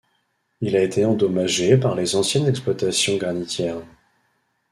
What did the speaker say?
Il a été endommagé par les anciennes exploitations granitières.